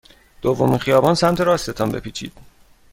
دومین خیابان سمت راست تان بپیچید.